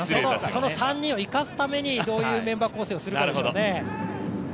その３人を生かすためにどういうメンバー構成をするかでしょうね。